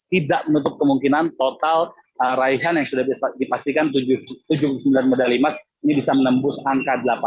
tidak menutup kemungkinan total raihan yang sudah dipastikan tujuh puluh sembilan medali emas ini bisa menembus angka delapan puluh